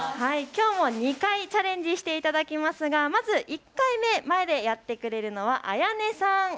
きょうも２回チャレンジしていただきますがまず１回目、前でやってくれるのは彩寧さん。